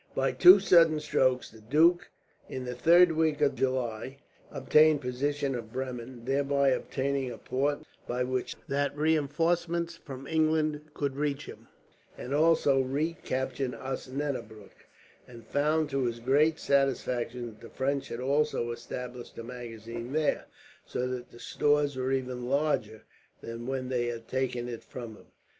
By two sudden strokes the duke, in the third week of July, obtained possession of Bremen, thereby obtaining a port by which stores and reinforcements from England could reach him; and also recaptured Osnabrueck, and found to his great satisfaction that the French had also established a magazine there, so that the stores were even larger than when they had taken it from him.